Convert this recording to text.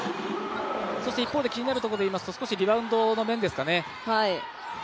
気になるところでいいますとリバウンドの面ですかね。